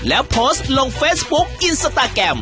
แล้วโพสต์ลงเฟซบุ๊คอินสตาแกรม